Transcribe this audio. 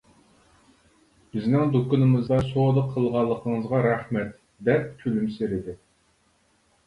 بىزنىڭ دۇكىنىمىزدا سودا قىلغانلىقىڭىزغا رەھمەت، دەپ كۈلۈمسىرىدى.